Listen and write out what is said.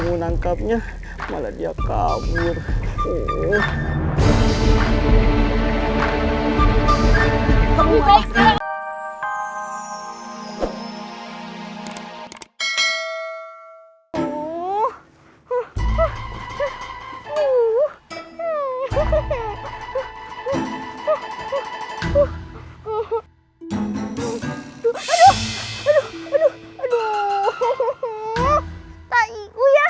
menangkapnya malah dia kabur uh uh uh uh uh uh uh uh uh uh uh uh uh uh uh uh uh